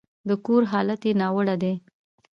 د کور حالت يې ناوړه دی.